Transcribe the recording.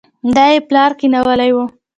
دا يې پلار کېنولې وه.